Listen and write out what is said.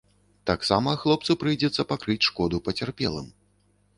Таксама хлопцу прыйдзецца пакрыць шкоду пацярпелым.